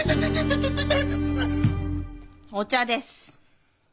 お茶です。